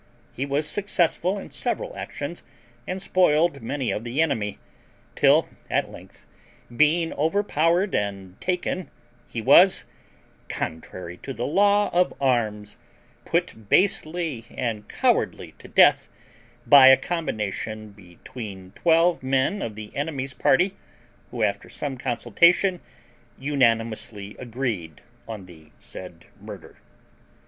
He was successful in several actions, and spoiled many of the enemy: till at length, being overpowered and taken, he was, contrary to the law of arms, put basely and cowardly to death by a combination between twelve men of the enemy's party, who, after some consultation, unanimously agreed on the said murder.